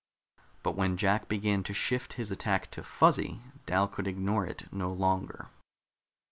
But when Jack began to shift his attack to Fuzzy, Dal could ignore it no longer.